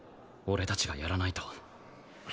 俺たちがやらないと！